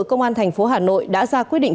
công an thành phố hà nội đã ra quyết định